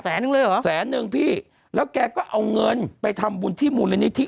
หนึ่งเลยเหรอแสนนึงพี่แล้วแกก็เอาเงินไปทำบุญที่มูลนิธิ